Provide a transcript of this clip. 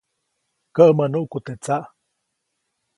Käʼmäʼ nuʼku teʼ tsaʼ.